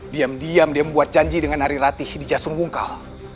diam diam dia membuat janji dengan hari ratih di jasung mungkal